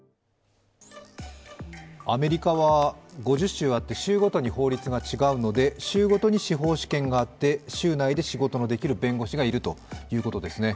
アメリカは５０州あって州ごとに法律が違うので州ごとに司法試験があって州内で仕事のできる弁護士がいるということですね。